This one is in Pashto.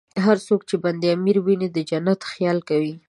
هر څوک چې بند امیر ویني، د جنت خیال کوي.